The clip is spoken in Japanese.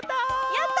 やった！